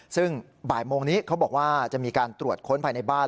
ซึ่งบ่ายโมงนี้เขาบอกว่าจะมีการตรวจค้นภายในบ้าน